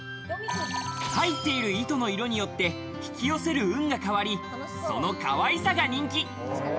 入っている糸の色によって引き寄せる運が変わり、その可愛さが人気。